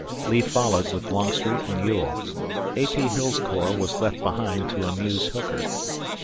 Lee followed with Longstreet and Ewell. A. P. Hill's corps was left behind to amuse Hooker.